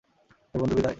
হে বন্ধু, বিদায়।